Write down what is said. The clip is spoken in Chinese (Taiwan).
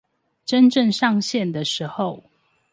真正上線的時候